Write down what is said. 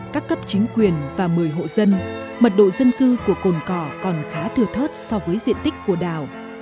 các cấp chính quyền và một mươi hộ dân mật độ dân cư của cồn cỏ còn khá thừa thớt so với diện tích của đảo